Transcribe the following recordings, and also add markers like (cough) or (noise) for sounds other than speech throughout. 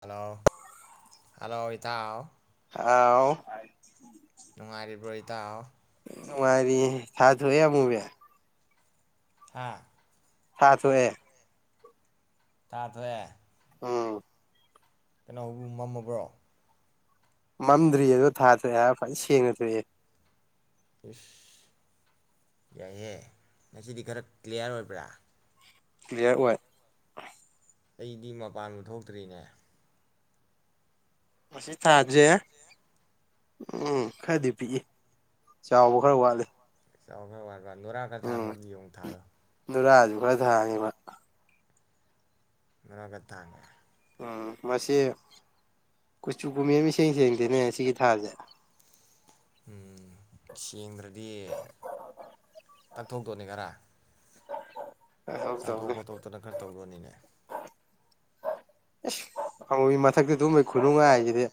Hello hello ꯏꯇꯥꯎ ꯍꯥꯎ ꯅꯨꯡꯉꯥꯏꯔꯤꯕ꯭ꯔꯣ ꯏꯇꯥꯎ ꯅꯨꯪꯉꯥꯏꯔꯤꯌꯦ ꯊꯥ ꯊꯣꯛꯑꯦ ꯑꯃꯨꯕꯤ ꯍꯥꯥ ꯊꯥ ꯊꯣꯛꯑꯦ ꯊꯥ ꯊꯣꯛꯑꯦ ꯎꯝ ꯀꯩꯅꯣ ꯃꯝꯃꯕ꯭ꯔꯣ ꯃꯝꯗ꯭ꯔꯤ ꯑꯗꯣ ꯊꯥꯊꯣꯛꯑꯦ ꯐꯖ ꯁꯦꯡꯅ ꯊꯣꯛꯑꯦ ꯏꯁꯁ ꯌꯥꯏꯍꯦ ꯉꯁꯤꯗꯤ ꯈꯔ ꯀ꯭ꯂꯤꯌꯥꯔ ꯑꯣꯏꯕ꯭ꯔꯥ ꯀꯂꯤꯌꯥꯔ ꯑꯣꯏ ꯑꯩꯗꯤ ꯃꯄꯥꯟꯕꯨ ꯊꯣꯛꯇ꯭ꯔꯤꯅꯦ ꯃꯁꯤ ꯊꯥꯖꯤ ꯎꯝ ꯈꯔꯗꯤ ꯄꯤꯛꯏ ꯆꯥꯎꯕ ꯈꯔ ꯋꯥꯠꯂꯤ ꯆꯥꯎꯈ ꯅꯨꯔꯥꯛ ꯈ ꯎꯝ ꯊꯥꯡꯈ꯭ꯔꯗꯤ ꯌꯦꯡꯉꯨꯛ ꯊꯥꯗꯣ ꯅꯨꯔꯥꯁꯨ ꯈꯔ ꯊꯥꯡꯉꯦꯕ ꯅꯨꯔꯥ ꯈꯔ ꯊꯥꯡꯉꯦ ꯎꯝ ꯃꯁꯤ ꯀꯨꯆꯨ ꯀꯨꯃꯦꯜ ꯏꯁꯦꯡ ꯁꯦꯡꯗꯦꯅꯦ ꯑꯁꯤꯒꯤꯒꯤ ꯊꯥꯁꯦ ꯎꯝ ꯁꯦꯡꯗ꯭ꯔꯗꯤ ꯇꯛꯊꯣꯛꯇꯣꯅꯦ ꯈꯔ ꯇꯧ ꯆꯥꯊꯣꯛ ꯇꯧꯅꯦ ꯈꯣꯠꯇꯣꯛꯇꯅ ꯈꯔ ꯇꯧꯗꯣꯅꯤꯅꯦ ꯑꯦꯁ ꯐꯒꯤ ꯃꯊꯛꯇ ꯇꯨꯝꯕꯩ ꯈꯨꯅꯨꯡꯉꯥꯏ ꯍꯥꯏꯁꯤꯗꯤ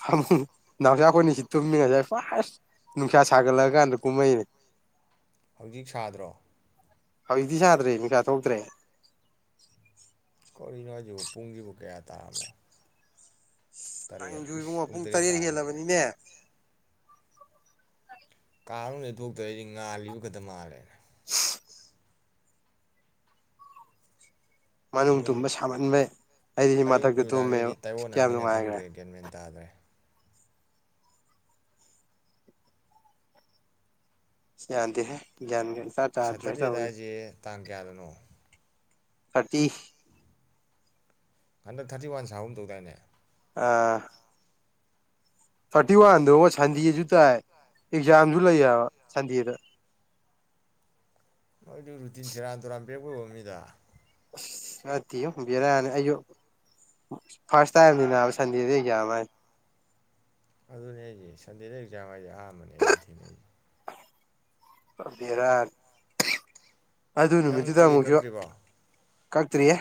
ꯐꯃꯨꯡ ꯅꯥꯎꯆꯥꯥ ꯑꯩꯈꯣꯏꯅꯤꯁꯤ ꯇꯨꯝꯃꯤ ꯉꯁꯥꯏ ꯐ ꯑꯁ ꯅꯨꯈ ꯁꯥꯒꯂꯒꯅꯤ ꯀꯨꯃꯩꯅꯦ ꯍꯧꯖꯤꯛ ꯁꯥꯗ꯭ꯔꯣ ꯍꯧꯖꯤꯛꯇꯤ ꯁꯥꯗ꯭ꯔꯦ ꯃꯤꯀꯥ ꯊꯣꯛꯇ꯭ꯔꯦ ꯀꯧꯔꯤꯅꯣ ꯍꯥꯏꯁꯤꯕꯨ ꯄꯨꯡꯁꯤꯕꯨ ꯀꯌꯥ ꯇꯥꯔꯝꯃꯣ ꯇꯔꯦꯠ ꯅꯪꯖꯨ ꯏꯁ ꯏꯕꯨꯡꯣ ꯄꯨꯡ ꯇꯔꯦꯠ ꯇꯥꯔꯝꯃꯦꯅꯦ ꯍꯦꯜꯂꯕꯅꯤꯅꯦ ꯀꯥ ꯃꯅꯨꯡꯗꯩ ꯊꯣꯛꯇ꯭ꯔꯦ ꯑꯩꯗꯤ ꯉꯥꯜꯂꯤꯕ ꯈꯛꯇ ꯃꯥꯜꯂꯦꯅ (inaudible) ꯃꯅꯨꯡ ꯅꯨꯃꯤꯠ ꯇꯨꯝꯕ ꯁꯥꯃꯟꯕꯩ ꯑꯩꯗꯤ ꯑꯌꯨꯛ ꯃꯊꯛꯇ ꯇꯨꯝꯃꯦꯕ ꯅꯨꯃꯤꯗꯥꯡꯈꯩꯗꯤ ꯀꯌꯥꯝ ꯇꯥꯏꯌꯣꯟꯅꯔꯃꯤꯅ ꯅꯨꯡꯉꯥꯏꯈ꯭ꯔꯦ ꯈꯪꯗ꯭ꯔꯦ ꯒ꯭ꯌꯥꯟ ꯃꯦꯟ ꯇꯥꯗ꯭ꯔꯦ ꯌꯥꯗꯦꯍꯦ ꯭ꯒ꯭ꯌꯥꯟꯒ ꯆꯥꯗ꯭ꯔꯦ ꯆꯥꯗ꯭ꯔꯦ ꯁꯦꯇꯔꯗꯦꯗ ꯇꯧꯔꯤꯁꯦ ꯍꯥꯏꯁꯦ ꯇꯥꯡ ꯀꯌꯥꯗꯅꯣ ꯊꯔꯇꯤ ꯍꯟꯗꯛ ꯊꯥꯔꯇꯤ ꯋꯥꯟ ꯁꯥꯒꯨꯝ ꯇꯧꯗꯥꯏꯅꯦ ꯑꯥ ꯊꯥꯔꯇꯤ ꯋꯥꯟꯗꯨꯕ ꯁꯟꯗꯦꯁꯨ ꯇꯥꯏ ꯑꯦꯛꯖꯥꯝꯁꯨ ꯂꯩꯌꯦꯕ ꯁꯟꯗꯦꯗ ꯃꯣꯏꯗꯨ ꯔꯨꯇꯤꯟ ꯁꯦꯔꯥꯟ ꯇꯨꯔꯥꯟ ꯄꯤꯔꯛꯄ ꯑꯣꯏꯔꯝꯅꯤꯗ ꯑꯁ ꯅꯠꯇꯦꯕꯨ ꯕꯦꯔꯥꯅꯤ ꯑꯌꯨꯛ ꯐꯥꯔꯁ ꯇꯥꯏꯝꯅꯤ ꯅꯥꯕ ꯁꯟꯗꯦꯗ ꯑꯦꯛꯖꯥꯝ ꯍꯥꯏ ꯑꯗꯨꯅꯦ ꯍꯥꯏꯖꯦ ꯁꯟꯗꯦꯗ ꯑꯦꯛꯖꯥꯝ ꯍꯥꯏꯁꯦ ꯑꯍꯥꯟꯕꯅꯦ ꯑꯩꯁꯨ ꯊꯦꯡꯅꯩꯁꯦ ꯕꯦꯔꯥꯅꯤ ꯑꯗꯨ ꯅꯪ ꯅꯨꯃꯤꯠꯇꯨꯗ ꯇꯤꯀꯦꯠ ꯑꯃꯨꯛꯁꯨ ꯀꯛꯇ꯭ꯔꯤꯕꯣ ꯀꯥꯛꯇ꯭ꯔꯤꯌꯦ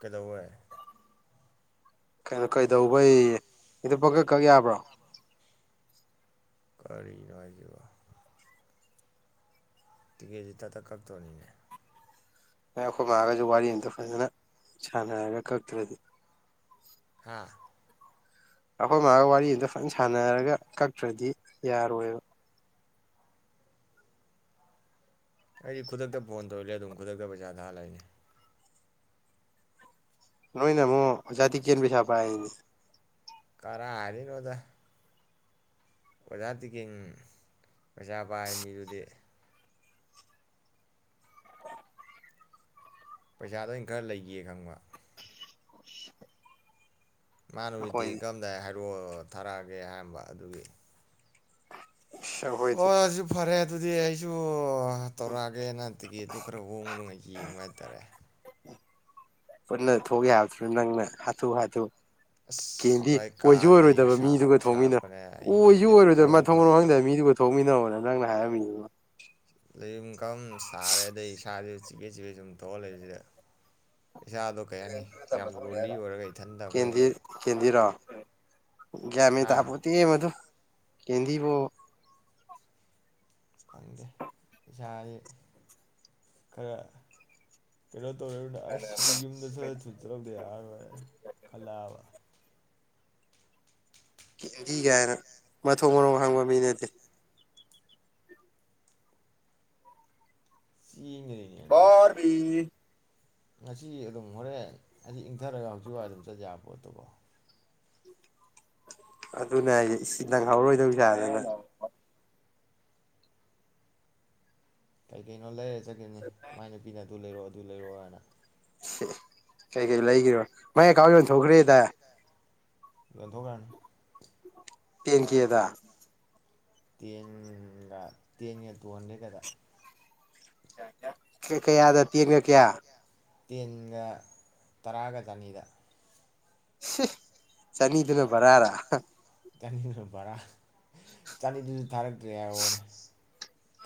ꯀꯩꯗꯧꯕꯩ ꯀꯩꯅꯣ ꯀꯩꯗꯧꯕꯩ ꯌꯦ ꯍꯦꯛꯇ ꯄꯪꯀꯛ ꯀꯛ ꯌꯥꯕ꯭ꯔꯣ ꯀꯔꯤꯅꯣ ꯍꯥꯏꯖꯤꯕꯣ ꯇꯤꯀꯦꯠꯁꯤ ꯊꯛ ꯇꯛ ꯀꯛꯇꯣꯅꯤꯅꯦ ꯑꯩꯈꯣꯏ ꯃꯥꯑꯒꯁꯨ ꯋꯥꯔꯤ ꯑꯝꯇ ꯐꯖꯅ ꯁꯥꯟꯅꯔꯒ ꯀꯛꯇ꯭ꯔꯗꯤ ꯍꯥꯥ ꯑꯩꯈꯣꯏ ꯃꯥꯒ ꯋꯥꯔꯤ ꯑꯗ ꯐꯖꯅ ꯁꯥꯟꯅꯔꯒ ꯀꯛꯇ꯭ꯔꯗꯤ ꯌꯥꯔꯣꯏꯕ ꯑꯩꯗꯤ ꯈꯨꯗꯛꯇ ꯐꯣꯟ ꯇꯧꯔꯤꯂꯦ ꯑꯗꯨꯝ ꯈꯨꯗꯛꯇ ꯄꯩꯁꯥ ꯊꯥꯍꯜꯂꯛꯏꯅꯦ ꯅꯣꯏꯅ ꯑꯃꯨꯛ (unintelligible) ꯄꯩꯁꯥ ꯄꯥꯏꯅ ꯀꯔꯥꯏꯗꯩꯅꯣꯗ ꯑꯣꯖꯥ ꯇꯤꯀꯦꯟ ꯄꯩꯁꯥ ꯄꯥꯏ ꯃꯤꯗꯨꯗꯤ ꯄꯩꯁꯥꯗꯣ ꯑꯩꯅ ꯈꯔ ꯂꯩꯒꯤ ꯈꯪꯕ꯫ (inaudible) ꯃꯥꯅ ꯇꯤꯀꯦꯠ ꯑꯩꯈꯣꯏꯗꯤ ꯀꯛꯑꯝꯗꯥꯏ ꯍꯥꯏꯕ꯫ ꯔꯣ ꯊꯥꯔꯛꯑꯒꯦ ꯍꯥꯏꯔꯝꯕ ꯑꯗꯨꯒꯤ ꯑꯁ ꯍꯣ ꯑꯩꯈꯣꯏꯗꯤ ꯑꯥꯖꯨ ꯐꯔꯦ ꯗꯨꯗꯤ ꯑꯩꯁꯨ ꯑ ꯇꯧꯔꯛꯑꯒꯦ ꯅ ꯈꯤꯀꯦꯠꯗꯨ ꯈꯔ ꯍꯣꯡꯕ ꯅꯨꯡꯉꯥꯏ ꯌꯦꯡꯕ ꯍꯥꯏꯇꯥꯔꯦ ꯄꯨꯟꯅ ꯊꯣꯛ ꯌꯥꯕꯗꯨ ꯅꯪꯅ ꯍꯥꯊꯨ ꯍꯥꯊꯨ ꯑꯁ ꯀꯦꯟꯗꯤ ꯚꯥꯏ ꯑꯣꯏꯖꯨ ꯀꯥ ꯂꯩ ꯑꯣꯏꯔꯣꯏꯗꯕ ꯃꯤꯗꯨꯒ ꯁꯥꯕ ꯊꯣꯡꯃꯤꯟꯅ ꯁꯥꯔꯛꯄꯅꯦ ꯑꯩ ꯑꯣꯏꯖꯨ ꯂꯩꯐꯝ ꯑꯣꯏꯔꯣꯏꯗꯕ ꯆꯥꯐꯝ ꯃꯊꯣꯡ ꯃꯔꯝ ꯈꯪꯗ꯭ꯔꯕ ꯈꯪꯗꯅ ꯃꯤꯗꯨꯒ ꯊꯣꯡꯃꯤꯟꯅꯧꯋꯣ ꯅ ꯅꯪꯅ ꯍꯥꯏ ꯃꯤ (unintelligible) ꯂꯩꯎꯨꯡ ꯀꯝ ꯁꯥꯔꯦꯗ ꯏꯁꯥꯖꯦ ꯆꯤꯕꯦ ꯆꯤꯕꯦ ꯁꯨꯝ ꯊꯧꯔ ꯂꯩꯕꯖꯤꯗ ꯏꯁꯥꯗꯣ ꯀꯩ ꯍꯥꯏꯅꯤ ꯌꯥꯝ ꯂꯣꯜꯂꯤ ꯑꯣꯏꯔꯒ ꯏꯊꯟꯇ ꯀꯦꯟꯗꯤ ꯑꯈꯣꯏꯒꯤ ꯀꯦꯟꯗꯤꯔꯣ ꯒ꯭ꯌꯥꯟ ꯃꯦꯟ ꯍꯥ ꯇꯥꯄꯣꯠꯇꯦ ꯃꯗꯨ ꯀꯦꯟꯗꯤꯕꯨ ꯀꯪꯗꯦ ꯎ ꯌꯥꯌꯦ ꯈꯔ ꯀꯩꯅꯣ ꯇꯧꯔꯅ ꯑꯁ ꯁꯤꯗꯤ ꯌꯨꯝꯗ ꯁꯔ ꯊꯨ ꯆꯠꯔꯧꯗ ꯌꯥꯔꯣꯏ ꯈꯜꯂꯥꯕ ꯀꯦꯟꯗꯤ ꯒꯥꯏꯅ ꯃꯊꯣꯡ ꯃꯔꯣꯝ ꯍꯪꯕ ꯃꯤ ꯅꯠꯇꯦ (unintelligible) ꯉꯁꯤ ꯑꯗꯨꯝ ꯍꯣꯔꯦꯟ ꯑꯁꯤ ꯏꯪꯗꯔꯒ ꯍꯧꯖꯤꯛ ꯋꯥꯥꯏ ꯑꯗꯨꯝ ꯆꯠꯌ ꯄꯣꯠꯇꯨꯕꯣ ꯑꯗꯨꯅꯦ ꯍꯥꯏꯖꯦ ꯏꯁ ꯅꯪꯍꯥꯎꯔꯣꯏꯗꯧ ꯁꯥꯗꯅ ꯀꯩ ꯀꯩꯅꯣ ꯂꯩꯔ ꯆꯠꯀꯤꯝꯅꯤ ꯃꯥꯏ ꯅꯨꯄꯤꯅ ꯗꯨ ꯂꯩꯔꯣꯑꯣ ꯑꯗꯨ ꯂꯩꯔꯣꯑꯣ ꯅ ꯍ ꯀꯩ ꯀꯩ ꯂꯩꯒꯔꯤꯕ ꯃꯥꯏ ꯑꯦꯀꯥꯎ ꯌꯣꯟꯊꯣꯒꯔꯦ ꯗ ꯌꯣꯟꯊꯣꯒꯔꯅ ꯇꯦꯟ ꯀꯦ ꯗ ꯇꯦꯟꯒ ꯇꯦꯟꯒ ꯇꯣꯍꯟꯗꯔꯦ ꯀꯗ ꯌꯥ ꯌꯥ ꯀ ꯀꯩꯌꯥꯗ ꯇꯦꯟꯒ ꯀꯌꯥ ꯇꯦꯟꯒ ꯇꯔꯥꯒ ꯆꯅꯤꯗ ꯍ ꯆꯅꯤꯗꯨꯅ ꯐꯔꯔꯥ ꯑꯍ ꯌꯥꯅꯤꯗꯨꯅ ꯕꯔꯥ ꯆꯅꯤꯗꯨꯖꯨ ꯊꯥꯔꯛꯇ꯭ꯔꯦ ꯍꯥꯏꯍꯧꯕꯅꯦ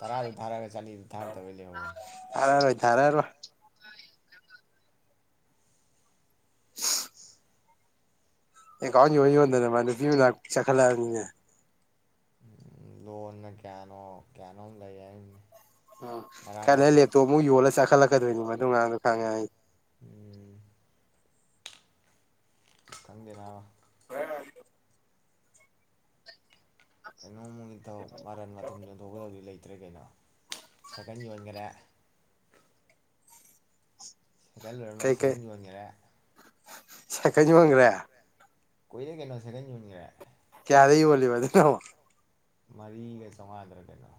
ꯇꯔꯥꯗꯨ ꯊꯥꯔꯛꯑꯒ ꯆꯅꯤꯗꯨ ꯊꯥꯔꯛꯇꯕꯩ ꯂꯩꯍꯧꯕꯅꯦ꯫ ꯊꯥꯔꯣꯏ ꯊꯥꯔꯣꯏ (unintelligible) ꯀꯥꯎ ꯑꯣꯏ ꯋꯥꯗ ꯃꯥ ꯄ ꯂ ꯆ ꯈꯜꯂ ꯎꯝ ꯂꯣꯟꯣꯟꯅ ꯀꯌꯥꯅꯣ ꯀꯌꯥꯅ ꯍ ꯌꯥꯏ ꯀꯥꯏꯅ ꯂꯩꯦ ꯇꯣ ꯌ ꯋꯥꯂ ꯆ ꯂ ꯆꯛꯀꯗꯣꯏꯅꯤ ꯃꯗꯨ ꯉꯥꯡꯗꯣ ꯈꯥꯡꯉꯦ ꯍꯥꯏꯗꯤ ꯎꯝ ꯊꯪꯗꯦ ꯅꯥꯕ ꯀꯩꯅꯣꯃꯨꯒꯤ ꯃꯔꯟ ꯃꯊꯨꯝ ꯌꯣꯟꯊꯣꯛꯀꯗꯕꯗꯤ ꯂꯩꯇꯦ ꯅꯠꯇ꯭ꯔꯦ ꯀꯩꯅꯣ ꯁꯀꯟ ꯌꯣꯟꯈꯔꯦ ꯁꯤꯦꯜ ꯋꯥꯔꯃ ꯁꯤꯔꯖ ꯋꯥꯉꯔꯦ ꯆꯀꯅꯤ ꯃꯪ꯭ꯔꯥ ꯀꯣꯏꯂ ꯀꯟꯅꯣ ꯁꯤꯔꯖꯅꯤꯒ꯭ꯔ ꯀꯔꯤ ꯏ ꯋꯥꯔꯤꯣꯜꯂꯤꯕꯗꯨ ꯃꯔꯤꯒꯩ ꯆꯃꯥꯗ꯭ꯔ ꯀꯦꯩꯅꯣ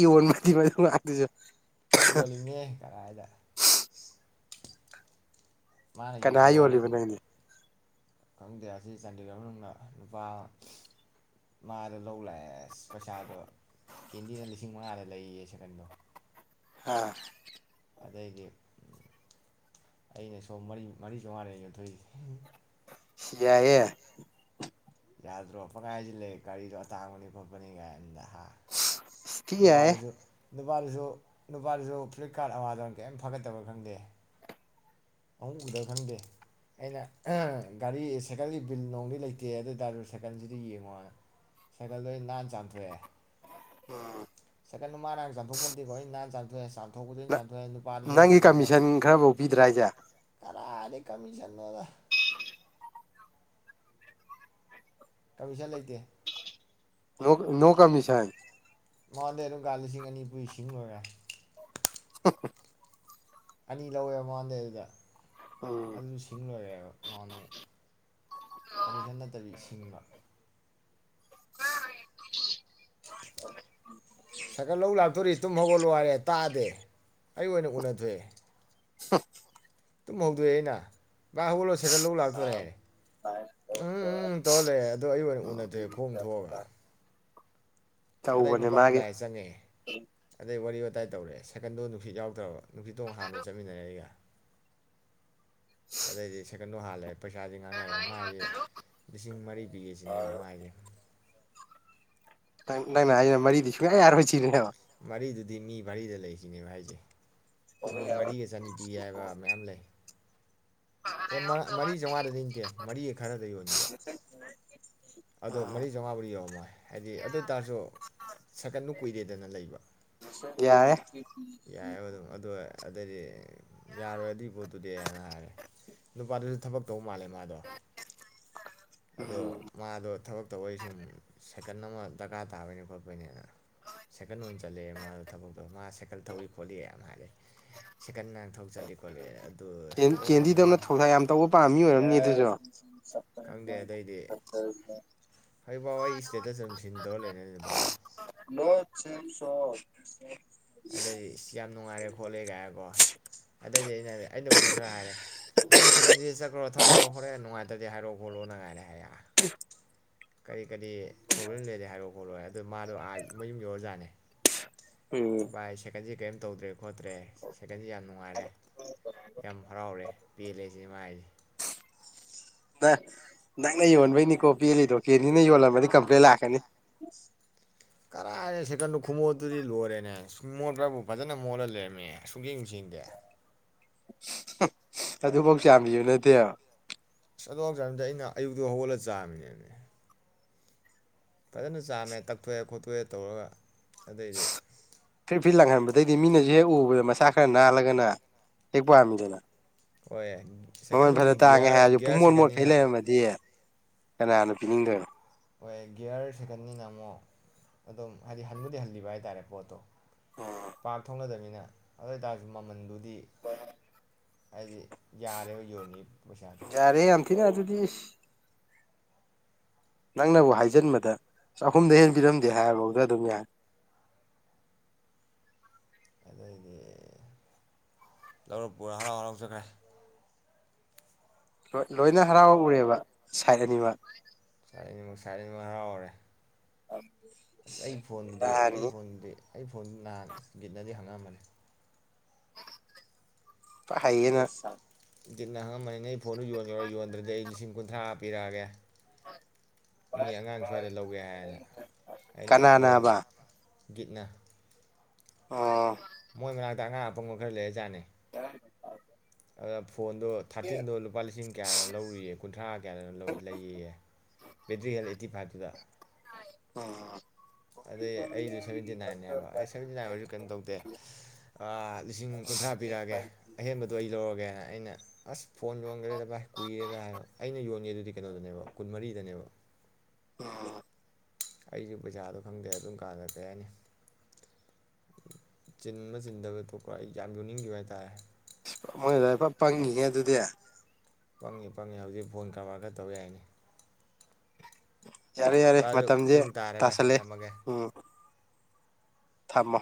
ꯌ ꯋꯥꯟ ꯃꯥꯗꯤ ꯃꯥ ꯃꯥꯇꯁ ꯑꯩꯅ ꯌꯣꯜꯂꯤꯅꯦ ꯀꯔꯥꯏꯗ ꯃꯥꯅ ꯀꯅꯥ ꯌꯣꯜꯂꯤꯕ ꯌꯣꯟꯊꯣꯛꯑꯅꯤ ꯅꯪꯅꯦ ꯈꯪꯗꯦ ꯑꯁꯤ ꯆꯥꯟꯗꯤꯒ꯭ꯔ ꯃꯅꯨꯡꯗ ꯅꯨꯄꯥ ꯃꯥꯗ ꯂꯧ ꯂꯥꯛꯑꯦ ꯑꯁ ꯄꯩꯁꯥꯗꯣ ꯀꯦꯟꯗꯤꯅ ꯂꯤꯁꯤꯡ ꯃꯉꯥꯗ ꯂꯩꯌꯦ ꯁꯀꯟꯗꯣ ꯍꯥꯥ ꯑꯗꯩꯗꯤ ꯑꯩꯅ ꯁꯣꯝ ꯃꯔꯤ ꯃꯔꯤ ꯆꯝꯃꯉꯥ ꯂꯩꯦ ꯌꯣꯟꯊꯣꯛꯏ ꯁꯤ ꯌꯥꯏꯌꯦꯦ ꯌꯥꯗ꯭ꯔꯣ ꯄꯉꯥꯏꯁꯤ ꯂꯩ ꯀꯔꯤꯗꯣ ꯑꯇꯥꯡꯕꯅꯤ ꯈꯣꯠꯄꯅꯤ ꯀꯥꯏꯝꯗ ꯊꯤ ꯌꯥꯏꯌꯦ ꯅꯨꯄꯥꯔꯁꯨ ꯅꯨꯄꯥꯗꯨꯁꯨ ꯅꯨꯄꯥꯗꯨꯁꯨ ꯐ꯭ꯂꯤꯞꯀꯥꯔꯠ ꯑꯃꯋꯥꯗ ꯀꯩꯝ ꯐꯒꯠꯇꯕ ꯈꯪꯗꯦ ꯑꯍꯨꯝꯗ ꯈꯪꯗꯦ ꯑꯩꯅ ꯒꯥꯔꯤ ꯁꯥꯏꯀꯜꯒꯤ ꯕꯤꯜ ꯅꯣꯡꯗꯤ ꯂꯩꯇꯦ ꯑꯗꯨ ꯇꯗꯔ ꯁꯥꯏꯀꯜꯁꯤꯗꯤ ꯌꯦꯡꯉꯣ ꯁꯥꯏꯀꯜꯗꯣ ꯅꯥꯟꯅ ꯆꯥꯝꯊꯣꯛꯑꯦ ꯎꯝ ꯁꯀꯩꯅꯅ ꯃꯥꯅ ꯆꯥꯊꯣꯛꯄꯗꯦꯀꯣ ꯑꯩ ꯅꯥꯟ ꯆꯥꯊꯣꯛꯑꯦ ꯅꯪꯒꯤ ꯀꯃꯤꯁꯟ ꯈꯔꯐꯥꯎ ꯄꯤꯗ꯭ꯔꯥ ꯍꯥꯏꯁꯦ ꯈꯥꯔꯦ ꯀꯃꯤꯁꯅꯣꯗ ꯀꯔꯤꯁꯠ ꯂꯩꯇꯦ ꯅ ꯅꯣ ꯀꯃꯤꯁꯟ ꯃꯉꯣꯟꯗꯩ ꯑꯗꯨꯝ ꯀ ꯂꯤꯁꯤꯡ ꯑꯅꯤ ꯄꯨꯨꯁꯤꯡ ꯂꯣꯏꯔꯦ (inaudible) ꯑꯅꯤ ꯂꯧꯋꯦꯕ ꯃꯥꯟꯗꯩ ꯑꯗꯨꯗ ꯎꯝ ꯑꯗꯨ ꯁꯤꯡ ꯂꯣꯏꯔꯦꯕ ꯃꯅ ꯀꯃꯤꯁꯟ ꯅꯠꯇꯕꯤ ꯁꯤꯡꯅ ꯁꯒ ꯂꯧ ꯂꯥꯛꯇꯧꯔꯤ ꯇꯨꯝ ꯍꯧꯒꯠꯂꯣ ꯍꯥꯏꯔꯦ ꯇꯥꯗꯦ ꯑꯩ ꯑꯗꯨꯝ ꯎꯅꯊꯣꯛ ꯑꯦ (inaudible) ꯇꯨꯝ ꯍꯧꯗꯣꯛꯑꯦ ꯑꯩꯅ ꯃꯥ ꯍꯧꯒꯠꯂꯣꯁ ꯁꯥꯏꯀꯠ ꯂꯧ ꯂꯥꯛꯇꯣꯔꯦ ꯍꯥꯏꯔꯦ ꯎꯝ ꯎꯝ ꯇꯧꯂꯩꯔꯦ ꯑꯗꯣ ꯑꯩ ꯑꯣꯏꯅ ꯎꯅꯊꯣꯛꯑꯦ ꯈꯣꯡ ꯊꯣꯛꯑꯒ ꯑꯗꯩ ꯇꯧꯕꯅꯦ ꯅꯨꯄꯥꯗꯣ ꯃꯥꯒꯤ ꯂꯥꯏ ꯆꯪꯉꯦ ꯑꯗꯩ ꯋꯥꯔꯤ ꯋꯥꯇꯥꯏ ꯇꯧꯔꯦ ꯁꯀꯟꯗꯣ ꯅꯨꯡꯁꯤꯠ ꯌꯥꯎꯗ꯭ꯔꯕ ꯅꯨꯡꯁꯤꯠꯇꯣ ꯍꯥꯟꯕ ꯆꯠꯃꯤꯟꯅꯔꯦ ꯑꯩꯒ ꯑꯗꯩꯗꯤ ꯁꯥꯏꯀꯟꯗꯣ ꯍꯜꯂꯦ ꯄꯩꯁꯥꯗꯤ ꯉꯥꯡꯅꯔꯦ ꯃꯥꯁꯦ ꯂꯤꯁꯤꯡ ꯃꯔꯤ ꯄꯤꯒꯦꯁꯤꯅꯦꯕ ꯃꯥ ꯍꯥꯏꯁꯦ ꯅꯪꯅ ꯑꯩ ꯃꯔꯤꯗꯤ ꯁꯨꯡꯌꯥ ꯌꯥꯔꯣꯏ ꯁꯤꯅꯦꯕ ꯃꯔꯤꯗꯨꯗꯤ ꯃꯤ ꯚꯔꯤꯗ ꯂꯩꯁꯤꯅꯦꯕ ꯍꯥꯏꯁꯦ ꯃꯤ ꯃꯔꯤꯒ ꯆꯅꯤꯄꯤꯒꯦ ꯍꯥꯏꯕꯥ ꯃꯌꯥꯝ ꯂꯩ ꯑꯦ ꯃꯔꯤ ꯆꯥꯝꯃꯉꯥꯗꯗꯤ ꯅꯇꯦ ꯃꯔꯤꯒ ꯈꯔꯗ ꯌꯣꯟꯈꯤꯕ ꯑꯗꯣ ꯃꯔꯤ ꯆꯥꯝꯃꯉꯥꯕꯨꯗꯤ ꯌꯧꯔꯝꯃꯣꯏ ꯍꯥꯏꯗꯤ ꯑꯗꯨ ꯑꯣꯏ ꯇꯔꯁꯨ ꯁꯀꯟꯗꯨ ꯀꯨꯏꯔꯦꯗꯅ ꯂꯩꯕ ꯌꯥꯔꯦ ꯌꯥꯏꯑꯕ ꯑꯗꯨꯝ ꯑꯗꯨ ꯑꯗꯩꯗꯤ ꯌꯥꯔꯣꯏ ꯑꯗꯨꯏ ꯄꯣꯠꯇꯨꯗꯤ ꯍꯥꯏꯅ ꯍꯥꯏꯔꯦ ꯅꯨꯄꯥꯗꯨꯁꯨ ꯊꯕꯛ ꯇꯧꯕ ꯃꯥꯜꯂꯦ ꯃꯥꯗꯣ ꯑꯗꯣ ꯎꯝ ꯃꯥꯗꯣ ꯊꯕꯛ ꯇꯧꯕ ꯑꯩ ꯁꯨꯝ ꯁꯦꯀꯟ ꯑꯃ ꯗꯔꯀꯥꯔ ꯇꯥꯕꯣꯏꯅꯦ ꯈꯣꯠꯄꯩꯅꯦꯅ ꯁꯦꯀꯟ ꯑꯣꯏꯅ ꯆꯠꯂꯛꯑꯦ ꯃꯥꯗꯣ ꯊꯕꯛꯇꯣ ꯃꯥ ꯁꯦꯀꯟ ꯁꯀꯜ ꯊꯧꯋꯏ ꯈꯣꯠꯂꯤ ꯌꯥꯝ ꯍꯥꯂꯦ ꯁꯦꯀꯟ ꯅꯥꯥꯡ ꯊꯧ ꯆꯠꯂꯤ ꯈꯣꯠꯂꯤ ꯑꯗꯨ ꯑꯣ ꯀꯦꯟꯗꯤꯗꯧꯅ ꯊꯧꯗꯥ ꯌꯥꯝ ꯇꯧꯕ ꯄꯥꯝꯃꯤ ꯑꯣꯏꯔꯝꯅꯤ ꯑꯗꯨꯁꯨ ꯈꯪꯗꯦ ꯑꯗꯩꯗꯤ ꯍꯧꯖꯤꯐꯥꯎ ꯑꯩ ꯏꯁꯇꯦꯠꯇ ꯆꯝ ꯁꯤꯟ ꯇꯧꯔ ꯂꯩꯅꯦ ꯅꯨꯕꯥꯅ ꯑꯗꯩꯗꯤ ꯏꯁ ꯌꯥꯝ ꯅꯨꯡꯉꯥꯏꯔꯦ ꯈꯣꯠꯂꯦ ꯀꯥꯏꯔꯀꯣ ꯑꯗꯩꯗꯤ ꯑꯩꯅ ꯑꯩꯅꯕꯨꯗꯤ ꯈꯔ ꯍꯥꯏꯔꯦ ꯅꯪ ꯁꯦꯀꯟꯁꯤꯗ ꯆꯠꯈ꯭ꯔꯣ ꯊꯧꯈ꯭ꯔꯣ ꯍꯣꯔꯦꯟ ꯅꯨꯡꯉꯥꯏꯇꯗꯤ ꯍꯥꯏꯔꯛꯑꯣ ꯈꯣꯠꯂꯣ ꯅꯉꯥꯏꯔꯦ ꯍꯥꯏꯔꯛ ꯀꯔꯤ ꯀꯔꯤ ꯄ꯭ꯔꯣꯕ꯭ꯂꯦꯝ ꯂꯩꯔꯗꯤ ꯍꯥꯏꯔꯣ ꯈꯣꯠꯂꯣ ꯑꯗꯨ ꯃꯥꯗꯣꯥ ꯃꯌꯨꯝ ꯌꯧꯔ ꯖꯥꯠꯅꯦ ꯎꯝ ꯚꯥꯏ ꯁꯥꯏꯀꯟꯁꯦ ꯀꯔꯤꯝ ꯇꯧꯗ꯭ꯔꯦ ꯈꯣꯠꯇ꯭ꯔꯦ ꯁꯥꯏꯀꯟꯁ ꯌꯥꯝ ꯅꯨꯡꯉꯥꯏꯔꯦ ꯌꯥꯝ ꯍꯔꯥꯎꯔꯦ ꯄꯦꯜꯂꯦ ꯁꯤꯅꯦ ꯃꯥ ꯍꯥꯏꯁꯦ ꯅ ꯅꯪꯅ ꯌꯣꯟꯕꯩꯅꯤꯀꯣ ꯄꯦꯜꯂꯤꯗꯣ ꯀꯦꯅꯤꯅ ꯌꯣꯜꯂꯝꯃꯅꯤ ꯀꯝꯄ꯭ꯂꯦꯟ ꯂꯥꯛꯀꯅꯤ ꯀꯔꯥꯏꯗ ꯁꯦꯀꯟꯗꯣ ꯈꯨꯃꯣꯠꯇꯨꯗꯤ ꯂꯣꯏꯔꯦꯅꯦ ꯁꯨꯡ ꯃꯣꯠꯄꯕꯨ ꯐꯖꯅ ꯃꯣꯠꯂ ꯂꯩꯔꯝꯃꯦ ꯁꯨꯡꯁꯦꯡ ꯁꯦꯡꯗꯦ ꯑꯗꯨꯐꯥꯎ ꯆꯌꯥꯝꯕꯤꯌꯨ ꯅꯠꯇꯦ ꯑꯗ ꯁꯪꯗꯦ ꯑꯩꯅ ꯑꯌꯨꯛꯇꯣ ꯍꯧꯒꯠꯂ ꯆꯥꯔꯃꯤꯅꯦꯃꯦ ꯐꯖꯅ ꯆꯥꯝꯃꯦ ꯇꯛꯊꯣꯛꯑꯦ ꯈꯣꯠꯇꯣꯛꯑꯦ ꯇꯧꯔꯒ ꯑꯗꯩꯗꯤ ꯐ꯭ꯔꯤꯠ ꯐꯔꯤꯠ ꯂꯪꯍꯟꯕꯗꯩꯗꯤ ꯃꯤꯅ ꯍꯦꯛ ꯎꯕꯗ ꯃꯁꯥ ꯈꯔ ꯅꯥꯜꯂꯒꯅ ꯍꯦꯛ ꯄꯥꯝꯃꯤꯗꯅ ꯍꯣꯏ ꯃꯃꯜ ꯐꯅ ꯁꯦꯀꯟꯗꯨꯕꯨꯗꯤ ꯇꯥꯡꯉꯦ ꯒꯤꯌꯥꯔ ꯍꯥꯏꯔꯁꯨ ꯄꯨꯡ ꯒꯤꯌꯥꯔ ꯃꯣꯟ ꯃꯣꯠꯈꯩ ꯁꯦꯀꯟꯅꯤꯅ ꯂꯩꯔꯝꯃꯗꯤ ꯀꯅꯥꯅꯥ ꯄꯤꯅꯤꯡꯗꯕ ꯍꯣꯏ ꯒꯤꯒꯌꯔ ꯁꯦꯀꯟꯅꯤꯅ ꯑꯃꯨꯛ ꯑꯗꯨꯝ ꯍꯥꯏꯗꯤ ꯍꯟꯕꯨꯗꯤ ꯍꯜꯂꯤꯕ ꯍꯥꯏꯇꯥꯔꯦ ꯄꯣꯠꯇꯣ ꯄꯥꯛ ꯊꯣꯡꯅꯗꯕꯥꯅꯤꯅ ꯑꯗꯨꯏ ꯇꯥꯔ꯭ꯁꯨ ꯃꯃꯜ ꯗꯨꯗ ꯗꯤ ꯍꯥꯏꯗꯤ ꯌꯥꯔꯦ ꯌꯣꯟꯒꯤ ꯄꯣꯠꯁ ꯌꯥꯔꯦ ꯌꯥꯝꯝ ꯊꯤ ꯅ ꯑꯗꯨꯗꯤ ꯏꯁ ꯅꯪꯅꯕꯨ ꯍꯥꯏꯖꯤꯟꯕꯗ ꯆꯍꯨꯝꯗꯑꯩ ꯍꯦꯟꯄꯤꯔꯝꯗꯦ ꯍꯥꯏꯔꯕꯧꯗ ꯑꯗꯨꯝ ꯌꯥꯏ ꯑꯗꯨꯏꯗꯤ ꯂꯧꯔ ꯄꯨꯔꯥ ꯍꯔꯥꯎ ꯍꯔꯥꯎ ꯆꯠꯈꯔꯦ ꯂꯣꯏꯅ ꯍꯔꯥꯎꯔꯨꯔꯦꯕꯥ ꯁꯖꯤꯟꯕ ꯑꯅꯤꯃꯛ ꯁꯥꯏꯠ ꯑꯅꯤꯃꯛ ꯍꯔꯥꯎꯔꯦ ꯑ ꯑꯁ ꯑꯩ ꯐꯣꯟꯗꯗꯤ ꯑꯩ ꯐꯣꯟꯗꯗꯤ ꯑꯩ ꯐꯣꯟ ꯅꯍꯥꯟꯒꯤꯠꯅꯗꯤ ꯍꯪꯉꯛꯑꯝꯕꯅꯤ ꯄꯌꯦ ꯅ ꯆ ꯒꯤꯅꯍ ꯃꯅꯦ ꯐꯣꯟꯅ ꯌꯣꯟꯉꯦꯔꯥ ꯌꯣꯟꯗ꯭ꯔꯗꯤ ꯑꯩ ꯂꯤꯁꯤꯡ ꯒꯟꯊꯥ ꯄꯤꯔꯑꯒꯦ ꯃꯤ ꯑꯉꯥꯡ ꯁ꯭ꯋꯥꯏꯗ ꯂꯧꯒꯦ ꯍꯥꯏꯅ ꯑꯩꯅ ꯀꯅꯥ ꯌꯣꯟ ꯅꯥꯕ ꯒꯤꯠꯅ ꯑꯣ ꯃꯣꯏ ꯃꯅꯥꯛꯇ ꯑꯉꯥꯡ ꯑꯄꯪꯕ ꯈꯔ ꯂꯩꯔꯖꯥꯠꯅꯤ ꯌꯥ ꯑꯞ ꯐꯣꯟꯗꯣ ꯊꯥꯔꯇꯤꯟꯗꯣ ꯂꯨꯄꯥ ꯂꯤꯁꯤꯡ ꯀꯌꯥꯗꯅꯣ ꯂꯧꯔꯔꯤꯌꯦ ꯀꯨꯟꯊ꯭ꯔꯥ ꯀꯌꯥꯗꯅ ꯂꯩꯌꯦꯌꯦ ꯕꯦꯇ꯭ꯔꯤ ꯍꯟ ꯑꯩꯠꯇꯤ ꯐꯥꯏꯚꯇꯨꯗ ꯑꯣ ꯑꯗꯨꯗꯩ ꯑꯩꯗꯨ ꯁꯚꯦꯟꯇꯤ ꯅꯥꯏꯟꯅꯟꯅꯦꯕ ꯑꯩ ꯁꯚꯦꯟꯇꯤ ꯅꯥꯏꯟ ꯑꯣꯏꯁꯨ ꯀꯩꯅꯣ ꯇꯧꯗꯦ ꯂꯤꯁꯤꯡ ꯀꯨꯟꯊ꯭ꯔꯥ ꯄꯤꯔꯛꯑꯒꯦ ꯑꯍꯦꯟꯕꯗꯣ ꯑꯩ ꯂꯧꯔꯒꯦꯅ ꯑꯩꯅ ꯑꯁ ꯐꯣꯟ ꯌꯣꯟꯒ꯭ꯔꯦꯗ ꯚꯥꯏ ꯀꯨꯏꯔꯦꯅ ꯍꯥꯏꯕ ꯑꯩꯅ ꯌꯣꯟꯒꯦ ꯑꯗꯨꯗꯤ ꯀꯩꯅꯣꯗꯅꯦꯕ ꯀꯨꯟꯃꯔꯤꯗꯅꯦꯕ ꯑꯣ ꯑꯩꯁꯨ ꯄꯩꯁꯥꯗꯣ ꯈꯪꯗꯦ ꯑꯗꯨꯝ ꯀꯥꯟꯗ ꯀꯩ ꯍꯥꯏꯅꯤ ꯆꯤꯟꯕ ꯆꯤꯟꯗꯕ ꯇ‌ꯣꯛꯈꯔ ꯑꯩ ꯌꯥꯝ ꯌꯣꯟꯅꯤꯡꯈꯤꯕ ꯍꯥꯏꯇꯥꯔꯦ (inaudible) ꯄ ꯄꯪꯉꯤꯅꯦ ꯑꯗꯨꯗꯤ ꯄꯪꯉꯤ ꯄꯪꯉꯤ ꯍꯧꯖꯤꯛ ꯐꯣꯟ ꯀꯔꯕꯔ ꯈꯔ ꯇꯧ ꯌꯥꯏꯅꯤ ꯌꯥꯔꯦ ꯌꯥꯔꯦ ꯚꯥꯏ ꯑꯗꯨ ꯃꯇꯝꯁꯦ ꯄꯨꯡ ꯇꯥꯔꯦ ꯚꯥꯏ ꯇꯥꯁꯜꯂꯦ ꯊꯝꯃꯒꯦ ꯎꯝ ꯊꯝꯃꯣ